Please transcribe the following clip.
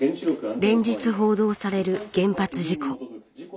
連日報道される原発事故。